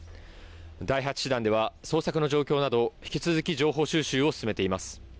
第８師団では捜索の状況など引き続き情報収集を進めています。